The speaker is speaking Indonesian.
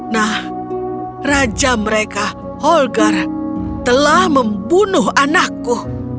nah raja mereka holgar telah membunuh anakku